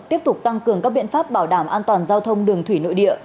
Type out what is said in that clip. tiếp tục tăng cường các biện pháp bảo đảm an toàn giao thông đường thủy nội địa